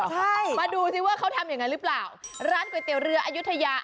ชิคกี้พายน้องพ่อรู้สึกว่าเขาทำยังไงหรือเปล่า